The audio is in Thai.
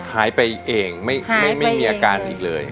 หายไปเองไม่มีอาการอีกเลย